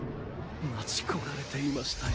待ち焦がれていましたよ。